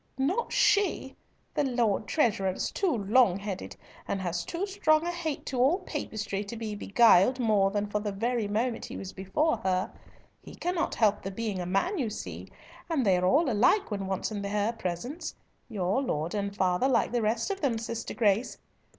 "Not she! The Lord Treasurer is too long headed, and has too strong a hate to all Papistry, to be beguiled more than for the very moment he was before her. He cannot help the being a man, you see, and they are all alike when once in her presence—your lord and father, like the rest of them, sister Grace.